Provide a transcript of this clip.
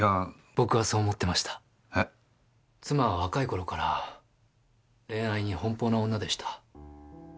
妻は若い頃から恋愛に奔放な女でした。